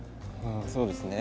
そうですね。